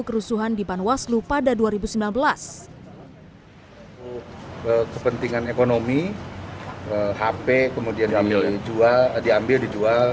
kerusuhan di panwaslu pada dua ribu sembilan belas kepentingan ekonomi hp kemudian diambil dijual diambil dijual